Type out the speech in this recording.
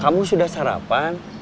kamu sudah sarapan